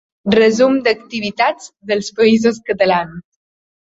Resum d'activitats dels països catalans.